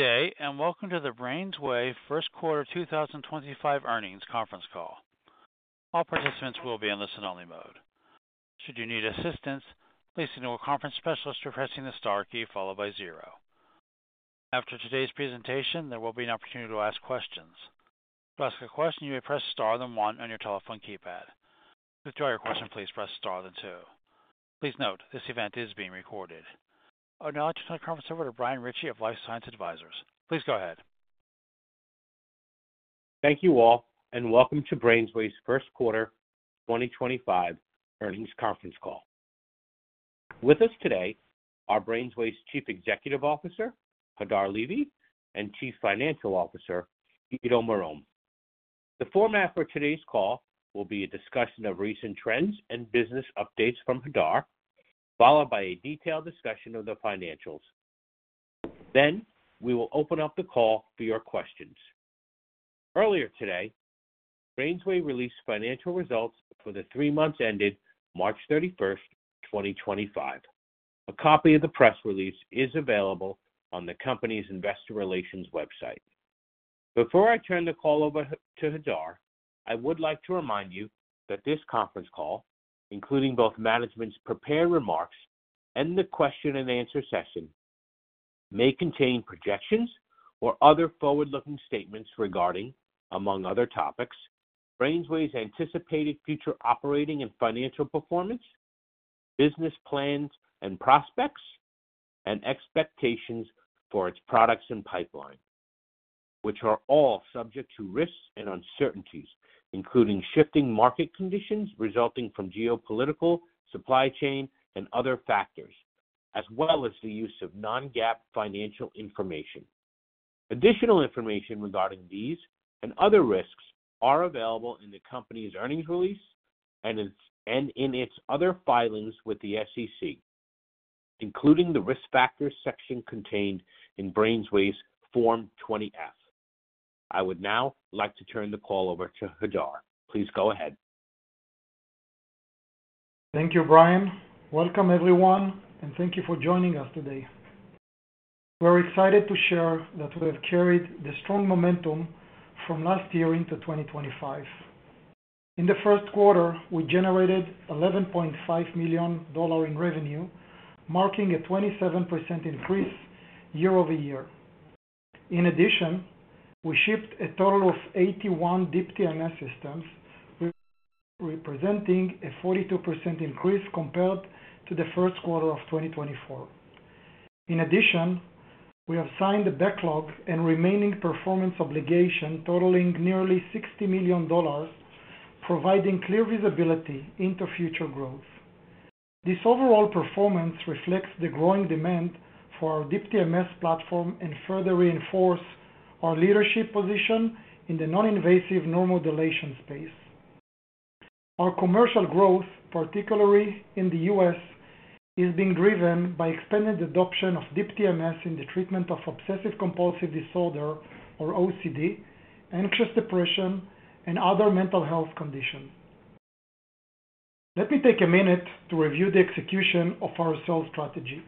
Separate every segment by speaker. Speaker 1: Good day, and welcome to the BrainsWay First Quarter 2025 Earnings Conference Call. All participants will be in listen-only mode. Should you need assistance, please signal with Conference Specialist or press the star key followed by zero. After today's presentation, there will be an opportunity to ask questions. To ask a question, you may press star then one on your telephone keypad. To withdraw your question, please press star then two. Please note, this event is being recorded. I would now like to turn the conference over to Brian Ritchie of LifeSci Advisors. Please go ahead.
Speaker 2: Thank you all, and welcome to BrainsWay's First Quarter 2025 Earnings Conference Call. With us today are BrainsWay's Chief Executive Officer, Hadar Levy, and Chief Financial Officer, Ido Marom. The format for today's call will be a discussion of recent trends and business updates from Hadar, followed by a detailed discussion of the financials. We will open up the call for your questions. Earlier today, BrainsWay released financial results for the three months ending March 31, 2025. A copy of the press release is available on the company's investor relations website. Before I turn the call over to Hadar, I would like to remind you that this conference call, including both management's prepared remarks and the question-and-answer session, may contain projections or other forward-looking statements regarding, among other topics, BrainsWay's anticipated future operating and financial performance, business plans and prospects, and expectations for its products and pipeline, which are all subject to risks and uncertainties, including shifting market conditions resulting from geopolitical, supply chain, and other factors, as well as the use of non-GAAP financial information. Additional information regarding these and other risks is available in the company's earnings release and in its other filings with the SEC, including the risk factors section contained in BrainsWay's Form 20F. I would now like to turn the call over to Hadar. Please go ahead.
Speaker 3: Thank you, Brian. Welcome, everyone, and thank you for joining us today. We're excited to share that we have carried the strong momentum from last year into 2025. In the first quarter, we generated $11.5 million in revenue, marking a 27% increase year over year. In addition, we shipped a total of 81 Deep TMS systems, representing a 42% increase compared to the first quarter of 2024. In addition, we have signed the backlog and remaining performance obligation totaling nearly $60 million, providing clear visibility into future growth. This overall performance reflects the growing demand for our Deep TMS platform and further reinforces our leadership position in the non-invasive neuromodulation space. Our commercial growth, particularly in the U.S., is being driven by the expanded adoption of Deep TMS in the treatment of obsessive-compulsive disorder, or OCD, anxious depression, and other mental health conditions. Let me take a minute to review the execution of our sales strategy.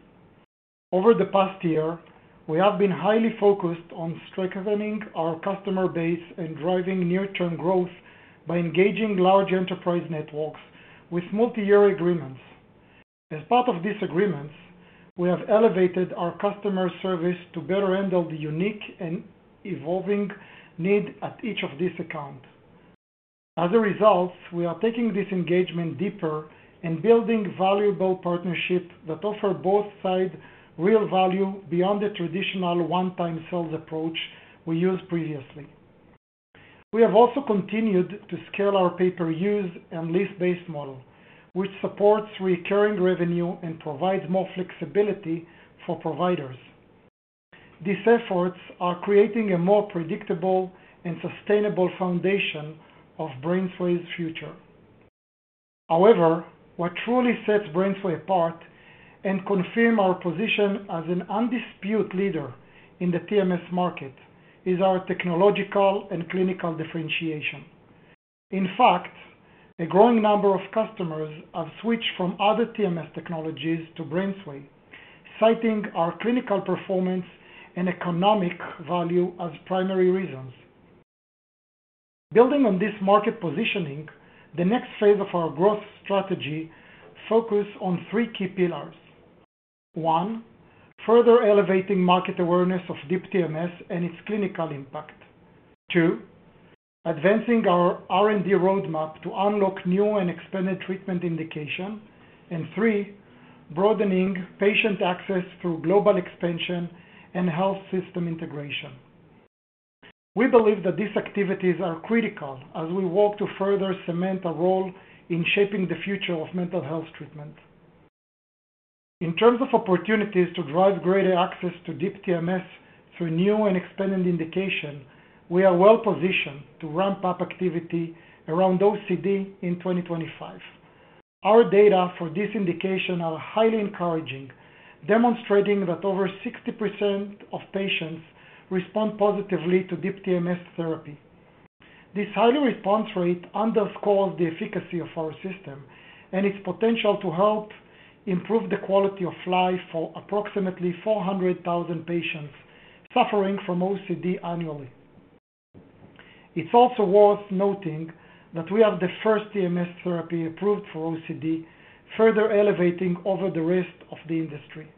Speaker 3: Over the past year, we have been highly focused on strengthening our customer base and driving near-term growth by engaging large enterprise networks with multi-year agreements. As part of these agreements, we have elevated our customer service to better handle the unique and evolving need at each of these accounts. As a result, we are taking this engagement deeper and building valuable partnerships that offer both sides real value beyond the traditional one-time sales approach we used previously. We have also continued to scale our pay-per-use and lease-based model, which supports recurring revenue and provides more flexibility for providers. These efforts are creating a more predictable and sustainable foundation of BrainsWay's future. However, what truly sets BrainsWay apart and confirms our position as an undisputed leader in the TMS market is our technological and clinical differentiation. In fact, a growing number of customers have switched from other TMS technologies to BrainsWay, citing our clinical performance and economic value as primary reasons. Building on this market positioning, the next phase of our growth strategy focuses on three key pillars: one, further elevating market awareness of Deep TMS and its clinical impact; two, advancing our R&D roadmap to unlock new and expanded treatment indications; and three, broadening patient access through global expansion and health system integration. We believe that these activities are critical as we work to further cement our role in shaping the future of mental health treatment. In terms of opportunities to drive greater access to Deep TMS through new and expanded indications, we are well-positioned to ramp up activity around OCD in 2025. Our data for this indication are highly encouraging, demonstrating that over 60% of patients respond positively to Deep TMS therapy. This high response rate underscores the efficacy of our system and its potential to help improve the quality of life for approximately 400,000 patients suffering from OCD annually. It's also worth noting that we are the first TMS therapy approved for OCD, further elevating over the rest of the industry.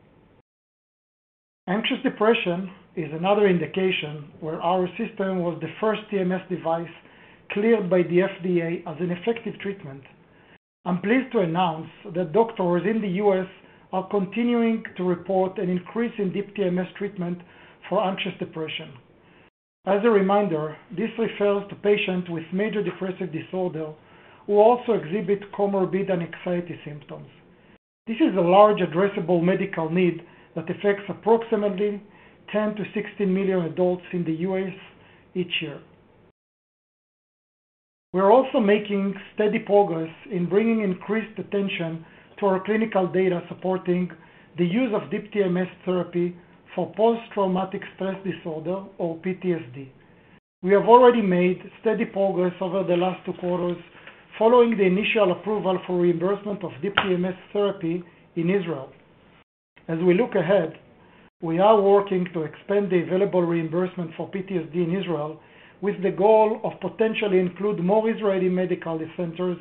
Speaker 3: Anxious depression is another indication where our system was the first TMS device cleared by the FDA as an effective treatment. I'm pleased to announce that doctors in the U.S. are continuing to report an increase in Deep TMS treatment for anxious depression. As a reminder, this refers to patients with major depressive disorder who also exhibit comorbid anxiety symptoms. This is a large addressable medical need that affects approximately 10-16 million adults in the U.S. each year. We are also making steady progress in bringing increased attention to our clinical data supporting the use of Deep TMS therapy for post-traumatic stress disorder, or PTSD. We have already made steady progress over the last two quarters following the initial approval for reimbursement of Deep TMS therapy in Israel. As we look ahead, we are working to expand the available reimbursement for PTSD in Israel with the goal of potentially including more Israeli medical centers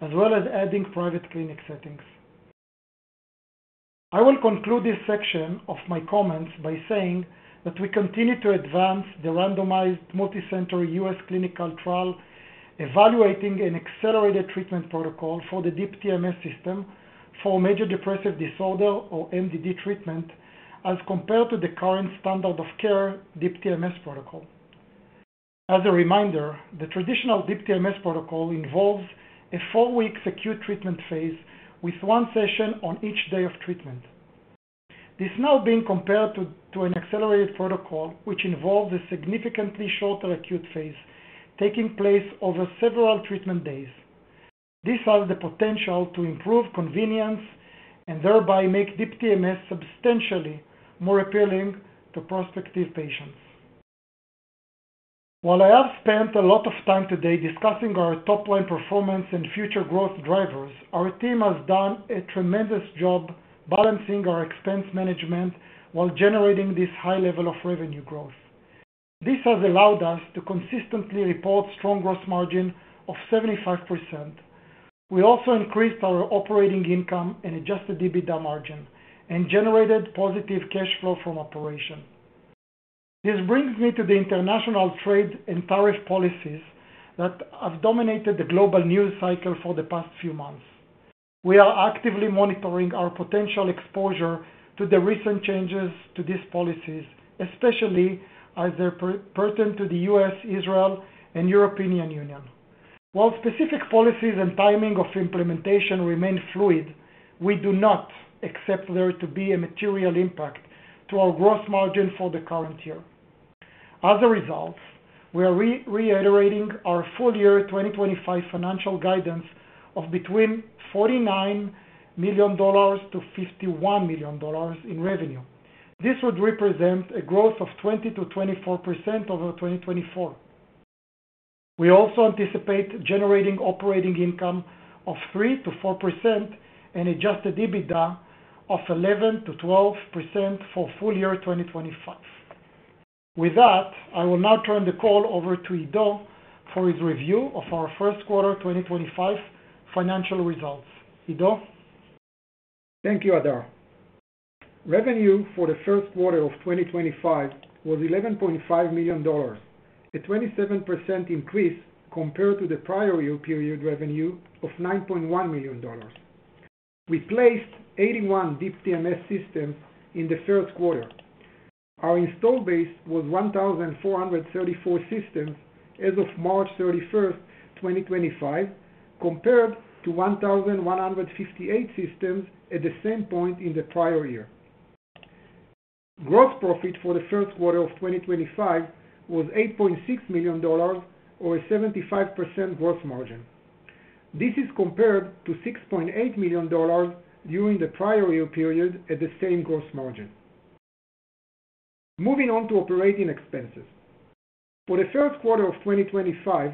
Speaker 3: as well as adding private clinic settings. I will conclude this section of my comments by saying that we continue to advance the randomized multicenter U.S. clinical trial evaluating an accelerated treatment protocol for the Deep TMS system for major depressive disorder, or MDD, treatment as compared to the current standard of care Deep TMS protocol. As a reminder, the traditional Deep TMS protocol involves a four-week acute treatment phase with one session on each day of treatment. This now being compared to an accelerated protocol, which involves a significantly shorter acute phase taking place over several treatment days. This has the potential to improve convenience and thereby make Deep TMS substantially more appealing to prospective patients. While I have spent a lot of time today discussing our top-line performance and future growth drivers, our team has done a tremendous job balancing our expense management while generating this high level of revenue growth. This has allowed us to consistently report a strong gross margin of 75%. We also increased our operating income and adjusted EBITDA margin and generated positive cash flow from operation. This brings me to the international trade and tariff policies that have dominated the global news cycle for the past few months. We are actively monitoring our potential exposure to the recent changes to these policies, especially as they're pertinent to the U.S., Israel, and European Union. While specific policies and timing of implementation remain fluid, we do not expect there to be a material impact to our gross margin for the current year. As a result, we are reiterating our full-year 2025 financial guidance of between $49 million and $51 million in revenue. This would represent a growth of 20%-24% over 2024. We also anticipate generating operating income of 3%-4% and adjusted EBITDA of 11%-12% for full-year 2025. With that, I will now turn the call over to Ido for his review of our first quarter 2025 financial results. Ido?
Speaker 4: Thank you, Hadar. Revenue for the first quarter of 2025 was $11.5 million, a 27% increase compared to the prior year period revenue of $9.1 million. We placed 81 Deep TMS systems in the first quarter. Our installed base was 1,434 systems as of March 31, 2025, compared to 1,158 systems at the same point in the prior year. Gross profit for the first quarter of 2025 was $8.6 million, or a 75% gross margin. This is compared to $6.8 million during the prior year period at the same gross margin. Moving on to operating expenses. For the first quarter of 2025,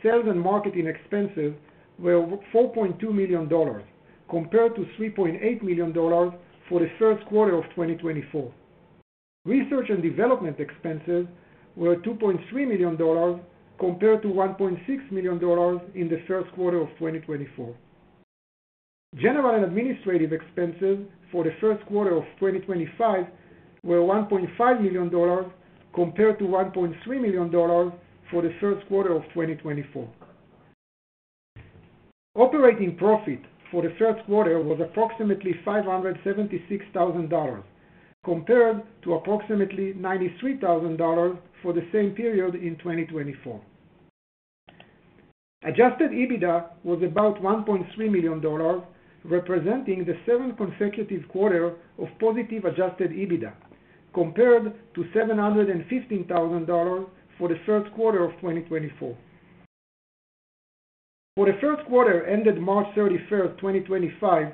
Speaker 4: sales and marketing expenses were $4.2 million, compared to $3.8 million for the first quarter of 2024. Research and development expenses were $2.3 million, compared to $1.6 million in the first quarter of 2024. General and administrative expenses for the first quarter of 2025 were $1.5 million, compared to $1.3 million for the first quarter of 2024. Operating profit for the first quarter was approximately $576,000, compared to approximately $93,000 for the same period in 2024. Adjusted EBITDA was about $1.3 million, representing the seventh consecutive quarter of positive adjusted EBITDA, compared to $715,000 for the first quarter of 2024. For the first quarter ended March 31, 2025,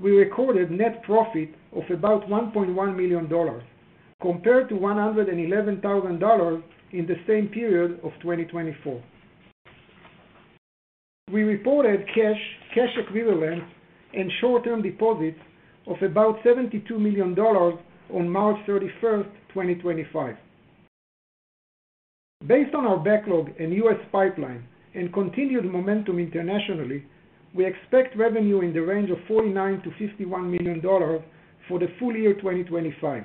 Speaker 4: we recorded net profit of about $1.1 million, compared to $111,000 in the same period of 2024. We reported cash equivalents and short-term deposits of about $72 million on March 31, 2025. Based on our backlog and US pipeline and continued momentum internationally, we expect revenue in the range of $49 million-$51 million for the full year 2025,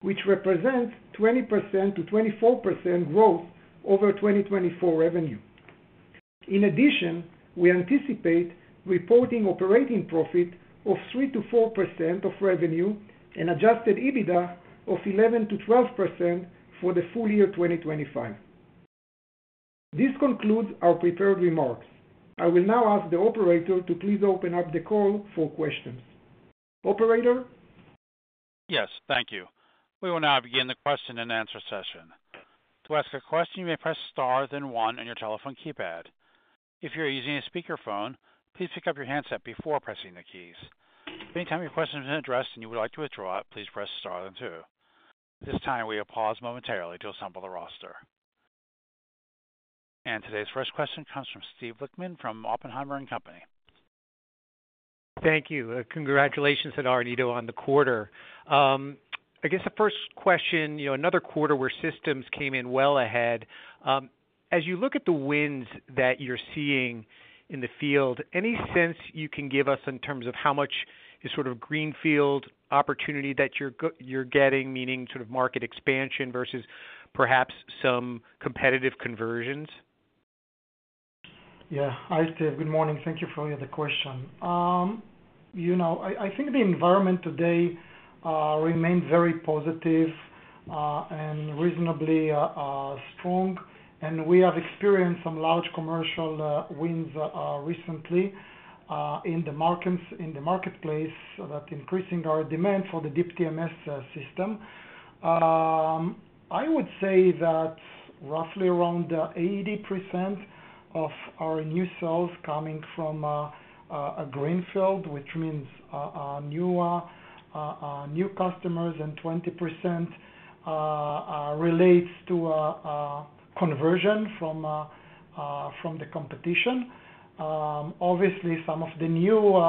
Speaker 4: which represents 20%-24% growth over 2024 revenue. In addition, we anticipate reporting operating profit of 3%-4% of revenue and adjusted EBITDA of 11-12% for the full year 2025. This concludes our prepared remarks. I will now ask the operator to please open up the call for questions. Operator?
Speaker 1: Yes, thank you. We will now begin the question and answer session. To ask a question, you may press star then one on your telephone keypad. If you're using a speakerphone, please pick up your handset before pressing the keys. Anytime your question isn't addressed and you would like to withdraw it, please press star then two. At this time, we will pause momentarily to assemble the roster. Today's first question comes from Steve Lichtman from Oppenheimer & Co.
Speaker 5: Thank you. Congratulations, Hadar and Ido, on the quarter. I guess the first question, another quarter where systems came in well ahead. As you look at the wins that you're seeing in the field, any sense you can give us in terms of how much is sort of greenfield opportunity that you're getting, meaning sort of market expansion versus perhaps some competitive conversions?
Speaker 3: Yeah. Hi, Steve. Good morning. Thank you for the question. I think the environment today remained very positive and reasonably strong, and we have experienced some large commercial wins recently in the marketplace that are increasing our demand for the Deep TMS system. I would say that roughly around 80% of our new sales coming from a greenfield, which means new customers, and 20% relates to conversion from the competition. Obviously, some of the new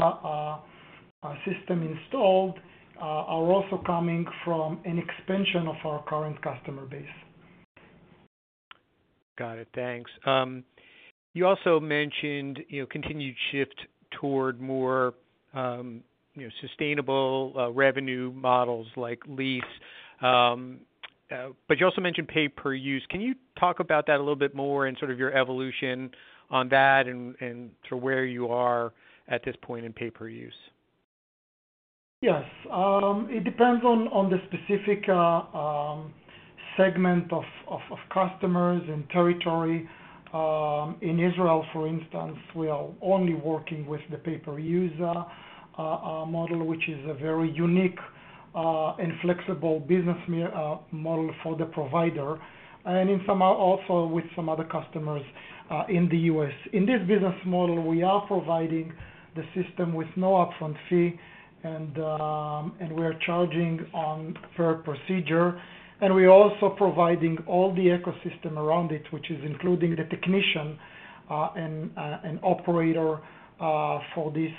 Speaker 3: system installed are also coming from an expansion of our current customer base.
Speaker 5: Got it. Thanks. You also mentioned continued shift toward more sustainable revenue models like lease, but you also mentioned pay-per-use. Can you talk about that a little bit more and sort of your evolution on that and sort of where you are at this point in pay-per-use?
Speaker 3: Yes. It depends on the specific segment of customers and territory. In Israel, for instance, we are only working with the pay-per-use model, which is a very unique and flexible business model for the provider, and also with some other customers in the U.S. In this business model, we are providing the system with no upfront fee, and we are charging per procedure. We are also providing all the ecosystem around it, which is including the technician and operator for this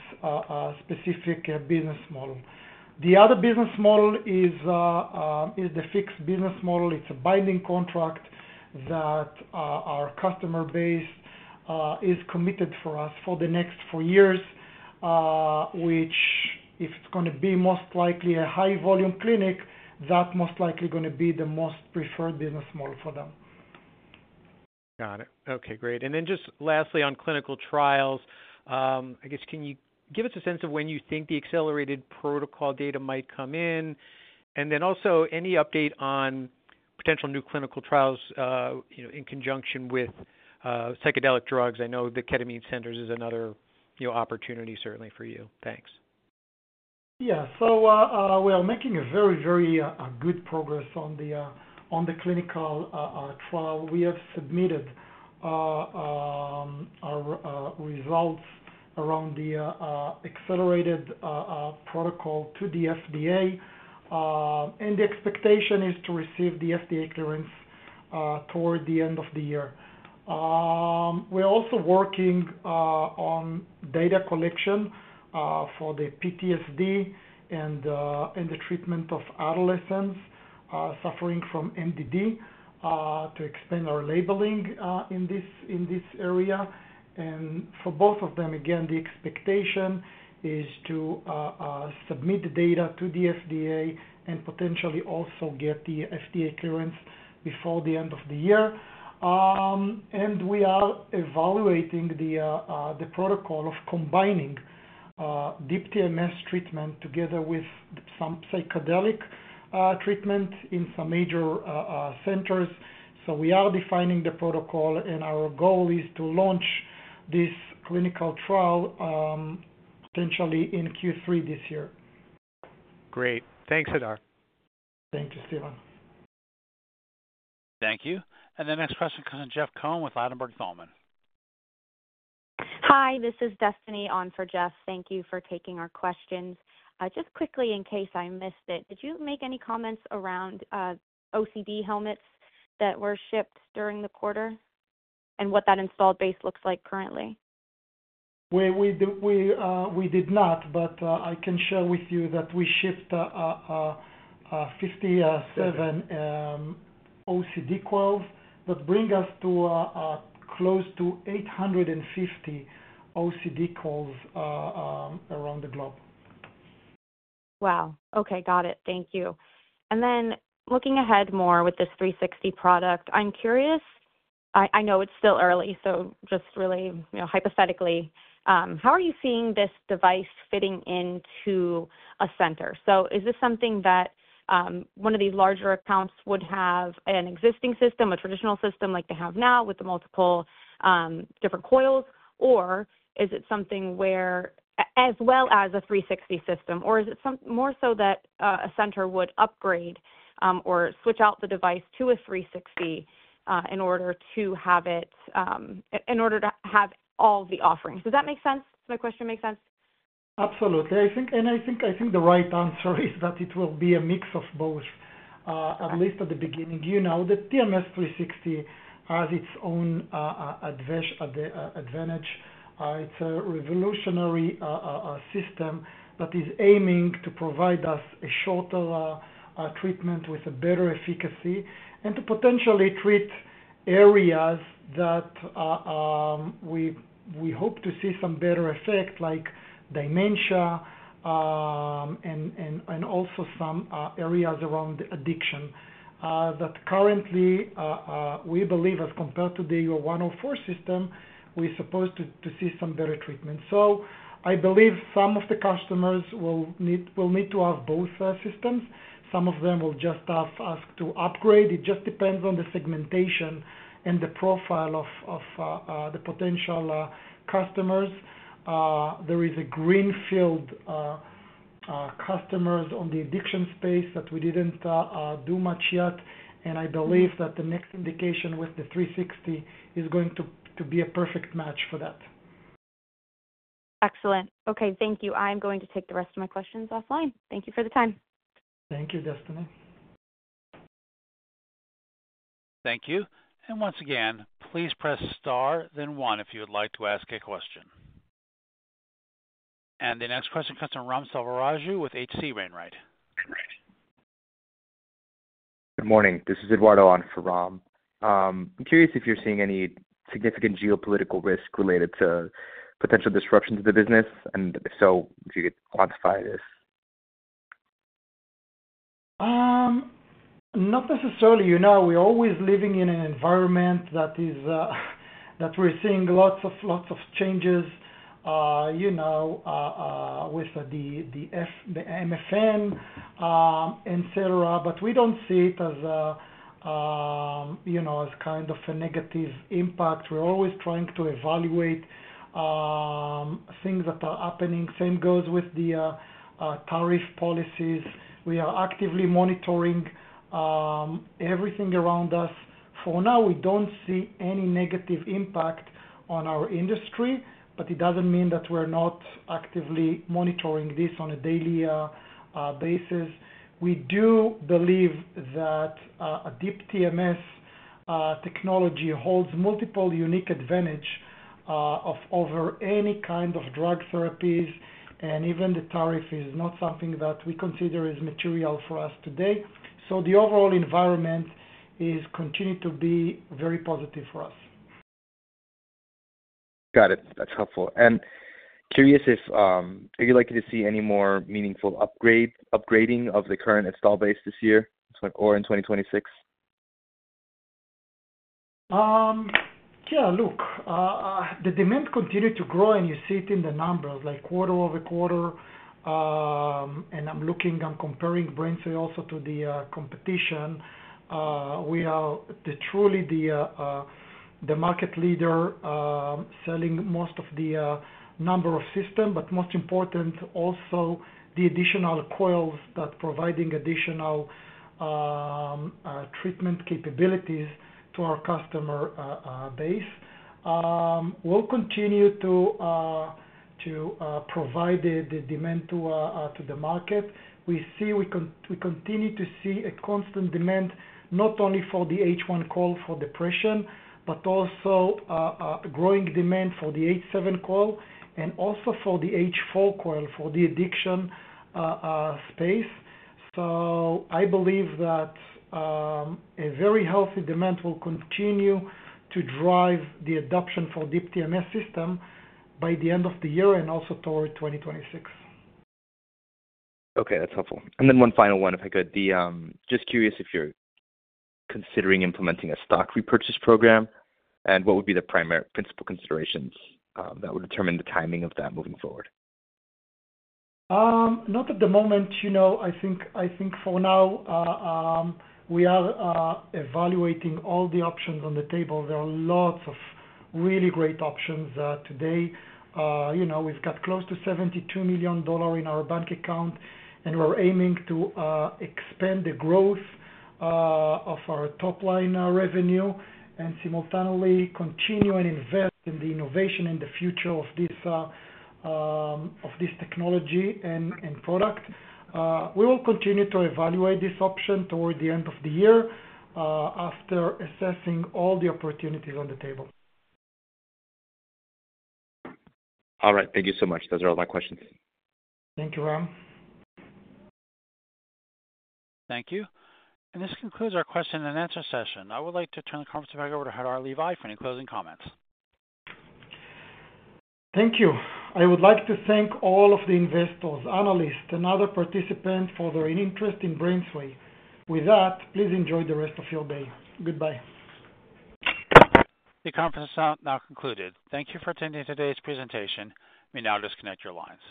Speaker 3: specific business model. The other business model is the fixed business model. It is a binding contract that our customer base is committed to for us for the next four years, which, if it is going to be most likely a high-volume clinic, that is most likely going to be the most preferred business model for them.
Speaker 5: Got it. Okay, great. Lastly, on clinical trials, I guess can you give us a sense of when you think the accelerated protocol data might come in? Also, any update on potential new clinical trials in conjunction with psychedelic drugs? I know the ketamine centers is another opportunity, certainly, for you. Thanks.
Speaker 3: Yeah. We are making very, very good progress on the clinical trial. We have submitted our results around the accelerated protocol to the FDA, and the expectation is to receive the FDA clearance toward the end of the year. We are also working on data collection for the PTSD and the treatment of adolescents suffering from MDD to expand our labeling in this area. For both of them, again, the expectation is to submit data to the FDA and potentially also get the FDA clearance before the end of the year. We are evaluating the protocol of combining Deep TMS treatment together with some psychedelic treatment in some major centers. We are defining the protocol, and our goal is to launch this clinical trial potentially in Q3 this year.
Speaker 5: Great. Thanks, Hadar.
Speaker 3: Thank you, Steven.
Speaker 1: Thank you. The next question comes from Jeff Cohen with Ladenburg Thalmann.
Speaker 6: Hi, this is Destiny on for Jeff. Thank you for taking our questions. Just quickly, in case I missed it, did you make any comments around OCD helmets that were shipped during the quarter and what that installed base looks like currently?
Speaker 3: We did not, but I can share with you that we shipped 57 OCD coils that bring us close to 850 OCD coils around the globe.
Speaker 6: Wow. Okay, got it. Thank you. Then looking ahead more with this 360 product, I'm curious—I know it's still early, so just really hypothetically—how are you seeing this device fitting into a center? Is this something that one of these larger accounts would have, an existing system, a traditional system like they have now with the multiple different coils, or is it something as well as a 360 system? Or is it more so that a center would upgrade or switch out the device to a 360 in order to have it—in order to have all the offerings? Does that make sense? Does my question make sense?
Speaker 3: Absolutely. I think the right answer is that it will be a mix of both, at least at the beginning. The TMS360 has its own advantage. It's a revolutionary system that is aiming to provide us a shorter treatment with a better efficacy and to potentially treat areas that we hope to see some better effect, like dementia and also some areas around addiction, that currently, we believe, as compared to the 104 system, we're supposed to see some better treatment. I believe some of the customers will need to have both systems. Some of them will just ask to upgrade. It just depends on the segmentation and the profile of the potential customers. There is a greenfield customers on the addiction space that we didn't do much yet, and I believe that the next indication with the 360 is going to be a perfect match for that.
Speaker 6: Excellent. Okay, thank you. I'm going to take the rest of my questions offline. Thank you for the time.
Speaker 3: Thank you, Destiny.
Speaker 1: Thank you. Once again, please press star, then one if you would like to ask a question. The next question comes from Ram Selvaraju with HC Wainwright.
Speaker 7: Good morning. This is Eduardo on for Ram. I'm curious if you're seeing any significant geopolitical risk related to potential disruptions to the business, and if so, if you could quantify this.
Speaker 3: Not necessarily. We're always living in an environment that we're seeing lots of changes with the MFN, etc., but we don't see it as kind of a negative impact. We're always trying to evaluate things that are happening. Same goes with the tariff policies. We are actively monitoring everything around us. For now, we don't see any negative impact on our industry, but it doesn't mean that we're not actively monitoring this on a daily basis. We do believe that a Deep TMS technology holds multiple unique advantages over any kind of drug therapies, and even the tariff is not something that we consider as material for us today. The overall environment is continuing to be very positive for us.
Speaker 7: Got it. That's helpful. Curious if you'd like to see any more meaningful upgrading of the current install base this year or in 2026?
Speaker 3: Yeah. Look, the demand continued to grow, and you see it in the numbers, like quarter over quarter. I'm looking and comparing BrainsWay also to the competition. We are truly the market leader selling most of the number of systems, but most importantly, also the additional coils that are providing additional treatment capabilities to our customer base. We'll continue to provide the demand to the market. We continue to see a constant demand, not only for the H1 coil for depression, but also growing demand for the H7 coil and also for the H4 coil for the addiction space. I believe that a very healthy demand will continue to drive the adoption for Deep TMS system by the end of the year and also toward 2026.
Speaker 7: Okay, that's helpful. One final one, if I could. Just curious if you're considering implementing a stock repurchase program, and what would be the principal considerations that would determine the timing of that moving forward?
Speaker 3: Not at the moment. I think for now, we are evaluating all the options on the table. There are lots of really great options today. We've got close to $72 million in our bank account, and we're aiming to expand the growth of our top-line revenue and simultaneously continue and invest in the innovation and the future of this technology and product. We will continue to evaluate this option toward the end of the year after assessing all the opportunities on the table.
Speaker 7: All right. Thank you so much. Those are all my questions.
Speaker 3: Thank you, Ram.
Speaker 1: Thank you. This concludes our question-and-answer session. I would like to turn the conference back over to Hadar Levy for any closing comments.
Speaker 3: Thank you. I would like to thank all of the investors, analysts, and other participants for their interest in BrainsWay. With that, please enjoy the rest of your day. Goodbye.
Speaker 1: The conference is now concluded. Thank you for attending today's presentation. We now disconnect your lines.